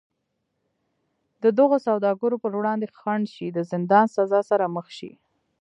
د دغو سوداګرو پر وړاندې خنډ شي د زندان سزا سره مخ شي.